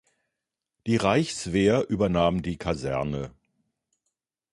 Die Reichswehr übernahm die Kaserne.